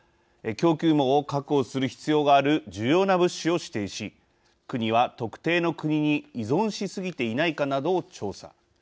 供給網を確保する必要がある重要な物資を指定し国は特定の国に依存しすぎていないかなどを調査。